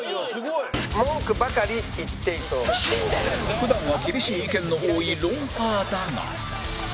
普段は厳しい意見の多い『ロンハー』だが